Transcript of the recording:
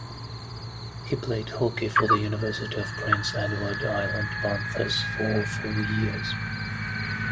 He played hockey for the University of Prince Edward Island Panthers for four years.